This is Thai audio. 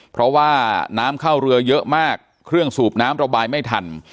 เพราะว่าน้ำเข้าเรือเยอะมากเครื่องสูบน้ำระบายไม่ทัน